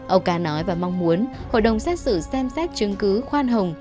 ông ca nói và mong muốn hội đồng xét xử xem xét chứng cứ khoan hồng